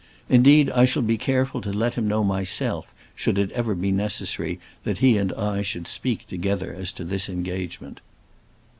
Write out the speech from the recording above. Indeed, I shall be careful to let him know myself should it ever be necessary that he and I should speak together as to this engagement."